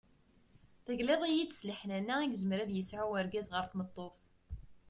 Tegliḍ-iyi-d s leḥnana i yezmer ad yesɛu urgaz ɣer tmeṭṭut.